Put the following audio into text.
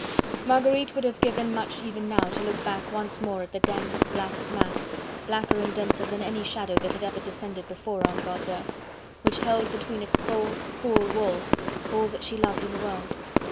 Marguerite would have given much even now to look back once more at the dense black mass, blacker and denser than any shadow that had ever descended before on God's earth, which held between its cold, cruel walls all that she loved in the world.